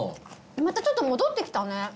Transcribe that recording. またちょっと戻ってきたね。